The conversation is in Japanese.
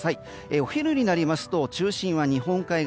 お昼になりますと中心は日本海側。